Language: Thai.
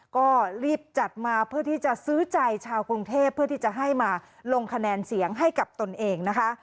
ก็รีบจัดมาเพื่อที่จะซื้อใจชาวกรุงเทพเพื่อที่จะให้มาลงคะแนนเสียงให้กับตนเองนะคะ